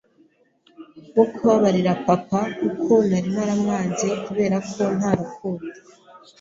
wo kubabarira papa kuko nari naramwanze kubera ko nta Rukundo